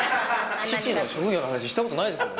父の職業の話、したことないですもんね。